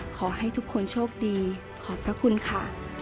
ขอให้ทุกคนโชคดีขอบพระคุณค่ะ